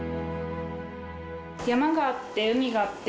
山があって海があって。